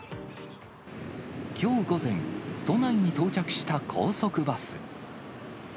きょう午前、都内に到着した高速バス。